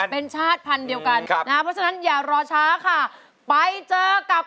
สวัสดีนะครับคุณรันมากครับ